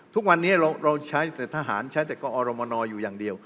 ทุกวันนี้เราใช้แต่ทหารใช้แต่กอรมนอยู่อย่างเดียว